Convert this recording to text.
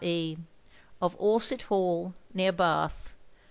E,, of Orsett Hall, near Bath.